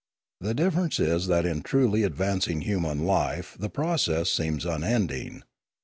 The dif ference is that in truly advancing human life the pro cess seems unending.